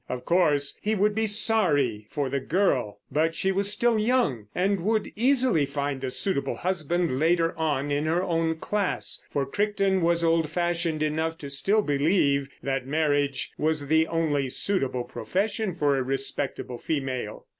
Of course, he would be sorry for the girl, but she was still young, and would easily find a suitable husband later on in her own class; for Crichton was old fashioned enough to still believe that marriage was the only suitable profession for a respectable female.